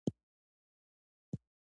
هغه کس چې مقاومت کوي، اتل دی.